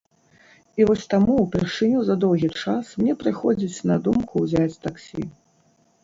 І вось таму ўпершыню за доўгі час мне прыходзіць на думку ўзяць таксі.